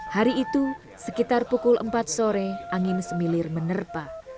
hari itu sekitar pukul empat sore angin semilir menerpa